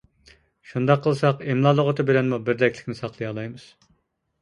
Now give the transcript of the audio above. شۇنداق قىلساق «ئىملا لۇغىتى» بىلەنمۇ بىردەكلىكنى ساقلىيالايمىز.